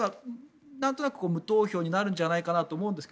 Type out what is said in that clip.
なんとなく無投票になるんじゃないかなと思うんですが。